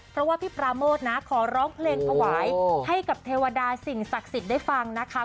เพราะว่าพี่ปราโมทนะขอร้องเพลงถวายให้กับเทวดาสิ่งศักดิ์สิทธิ์ได้ฟังนะคะ